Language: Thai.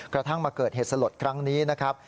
กระทั่งมาเกิดเหตุสลดครั้งนี้นะครับ